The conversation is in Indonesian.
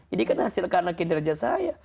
ini kan hasil karena kinerja saya